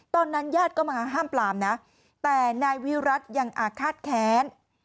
ญาติก็มาห้ามปลามนะแต่นายวิรัติยังอาฆาตแค้น